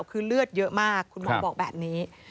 คือเลือดเยอะมากคุณหมอบอกแบบนี้